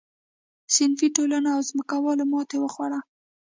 صنفي ټولنو او ځمکوالو ماتې وخوړه.